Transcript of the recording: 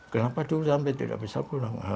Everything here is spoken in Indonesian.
kenapa dulu sampai tidak bisa pulang